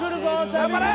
頑張れ！